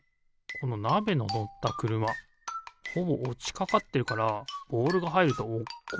このなべののったくるまほぼおちかかってるからボールがはいるとおっこちそう。